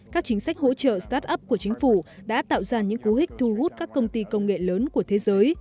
các chính sách hỗ trợ start up của chính phủ đã tạo ra những cú hích thu hút các công ty công nghệ lớn của thế giới